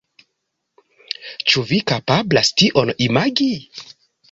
Ĉu vi kapablas tion imagi?